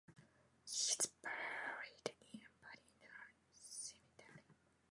He is buried in Paddington Cemetery.